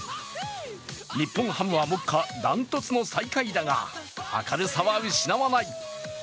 日本ハムは目下、断トツの最下位だが明るさは失わない。